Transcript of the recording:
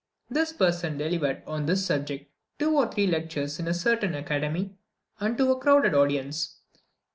This person delivered, on this subject, two or three lectures in a certain academy, and to a crowded audience.